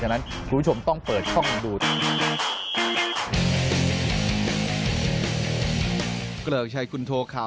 ฉะนั้นคุณผู้ชมต้องเปิดช่องดู